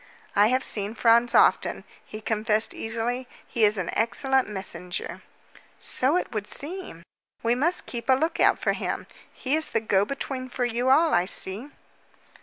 "I have seen Franz often," he confessed easily. "He is an excellent messenger." "So it would seem. We must keep a lookout for him. He is the go between for you all, I see."